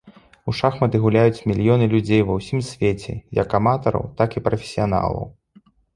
У шахматы гуляюць мільёны людзей ва ўсім свеце як аматараў, так і прафесіяналаў.